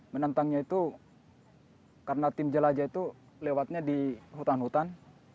menantangnya itu karena tim jelajah itu lewatnya di hutan hutan